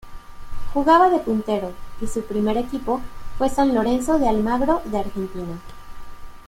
Jugaba de puntero y su primer equipo fue San Lorenzo de Almagro de Argentina.